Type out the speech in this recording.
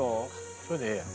これでええやん。